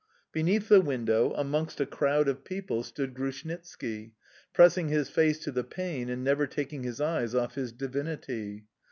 Beneath the window, amongst a crowd of people, stood Grushnitski, pressing his face to the pane and never taking his eyes off his divinity.